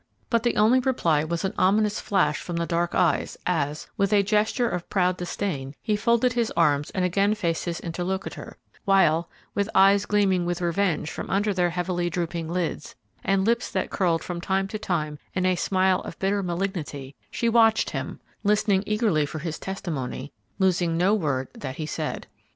But the only reply was an ominous flash from the dark eyes, as, with a gesture of proud disdain, he folded his arms and again faced his interlocutor, while, with eyes gleaming with revenge from under their heavily drooping lids and lips that curled from time to time in a smile of bitter malignity, she watched him, listening eagerly for his testimony, losing no word that he said.